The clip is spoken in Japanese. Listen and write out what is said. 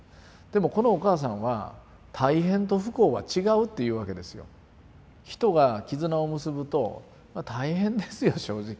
でもこのお母さんは「大変と不幸は違う」っていうわけですよ。人が絆を結ぶと大変ですよ正直。